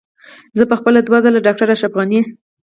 زه په خپله دوه ځله ډاکټر اشرف غني.